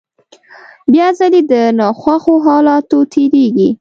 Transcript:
بيا ځلې له ناخوښو حالاتو تېرېږي.